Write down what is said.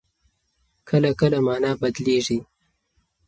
کله کله مانا بدلېږي.